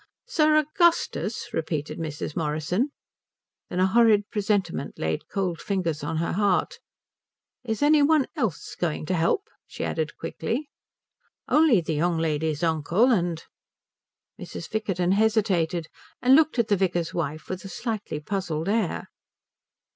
"Sir Augustus?" repeated Mrs. Morrison. Then a horrid presentiment laid cold fingers on her heart. "Is any one else going to help?" she asked quickly. "Only the young lady's uncle, and " Mrs. Vickerton hesitated, and looked at the vicar's wife with a slightly puzzled air.